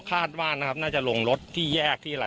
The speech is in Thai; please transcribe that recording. คาดว่าน่าจะลงรถที่แยกที่อะไร